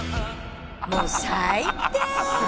もう最低！